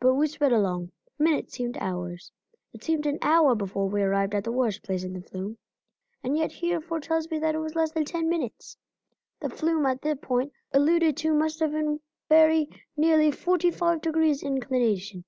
But we sped along; minutes seemed hours. It seemed an hour before we arrived at the worst place in the flume, and yet Hereford tells me that it was less than ten minutes. The flume at the point alluded to must have been very nearly forty five degrees inclination.